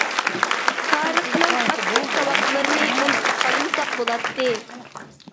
تارىخنىڭ ئاچچىق ساۋاقلىرىنى ئۇنتۇپ قالمىساق بولاتتى.